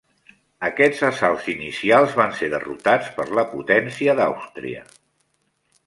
Aquests assalts inicials van ser derrotats per la potència d'Àustria.